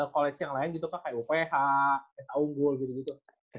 college yang lain gitu kan kayak uph saugul gitu gitu